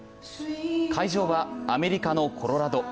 会場はアメリカのコロラド。